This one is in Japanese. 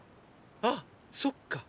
あそっか。